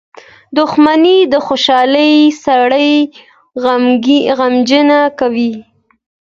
• دښمني د خوښۍ سړی غمجن کوي.